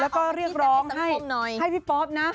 แล้วก็เรียกร้องให้พี่ป๊อปนะ